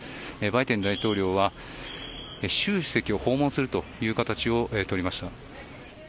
バイデン大統領は習主席を訪問するという形を取りました。